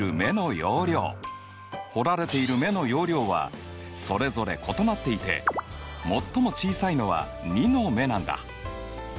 掘られている目の容量はそれぞれ異なっていて最も小さいのは２の目なんだ。